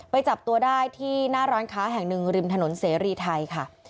จับตัวได้ที่หน้าร้านค้าแห่งหนึ่งริมถนนเสรีไทยค่ะ